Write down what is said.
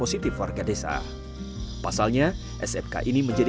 sebuah terobosan yang menekankan